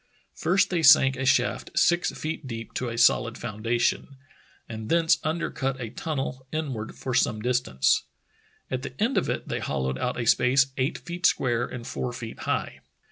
First they sank a shaft six feet deep to a solid foundation, and thence under cut a tunnel inward for some distance. At the end of it they hollowed out a space eight feet square and four feet high.